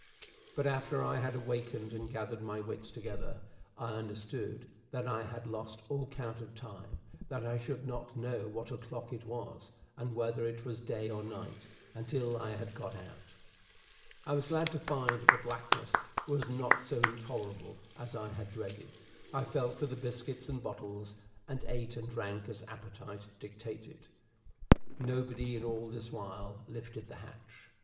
But after I had awakened and gathered my wits together, I understood that I had lost all count of time, that I should not know what o'clock it was, and whether it was day or night, until I had got out. I was glad to find that the blackness was not so intolerable as I had dreaded. I felt for the biscuits and bottles, and ate and drank as appetite dictated. Nobody in all this while lifted the hatch.